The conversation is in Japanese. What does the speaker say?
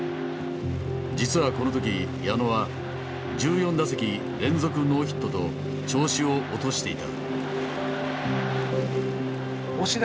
実はこの時矢野は１４打席連続ノーヒットと調子を落としていた。